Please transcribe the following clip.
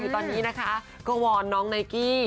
คือตอนนี้นะคะก็วอนน้องไนกี้